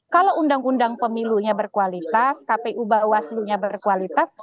kalau undang undang pemilunya berkualitas kpu bawaslu nya berkualitas